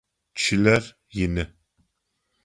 Чылэр ины.